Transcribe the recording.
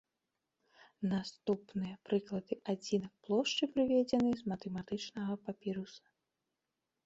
Наступныя прыклады адзінак плошчы прыведзены з матэматычнага папіруса.